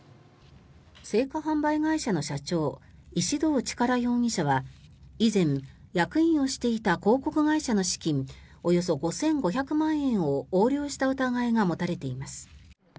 生花販売会社の社長石動力容疑者は以前、役員をしていた広告会社の資金およそ５５００万円を横領した疑いが持たれています。